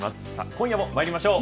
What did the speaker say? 今夜もまいりましょう。